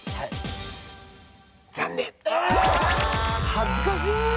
恥ずかしい。